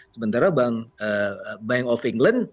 sementara bank of england